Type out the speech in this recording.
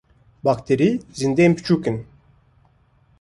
Bakterî zindiyên biçûk in.